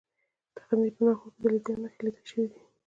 د غزني په ناهور کې د لیتیم نښې لیدل شوي دي.